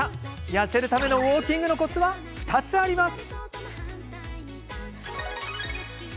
痩せるためのウォーキングのコツは２つあります。